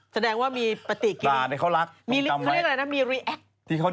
แสดงว่ามีปฏิกิจ